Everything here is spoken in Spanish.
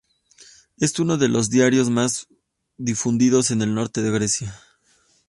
Es uno de los diarios más difundidos en el norte de Grecia.